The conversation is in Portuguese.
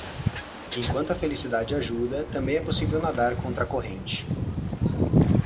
Enquanto a felicidade ajuda, também é possível nadar contra a corrente.